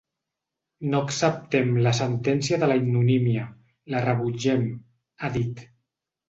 No acceptem la sentència de la ignomínia, la rebutgem –ha dit–.